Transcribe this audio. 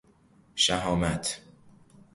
شﮩامت